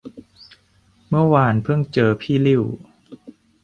เมื่อวานเพิ่งเจอพี่ลิ่ว